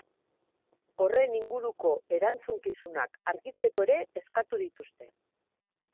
Horren inguruko erantzukizunak argitzeko ere eskatu dituzte.